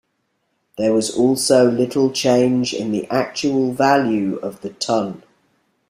There was also little change in the actual value of the tun.